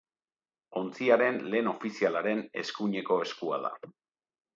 Ontziaren lehen ofizialaren eskuineko eskua da.